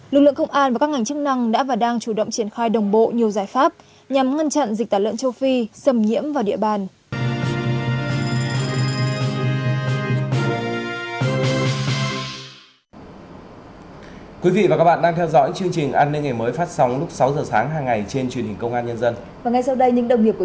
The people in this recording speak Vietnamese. lực lượng công an và các ngành chức năng đã và đang chủ động triển khai đồng bộ nhiều giải pháp nhằm ngăn chặn dịch tả lợn châu phi xâm nhiễm vào địa bàn